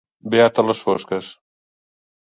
Beata a les fosques.